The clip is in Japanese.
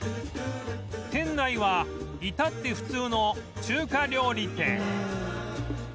店内は至って普通の中華料理店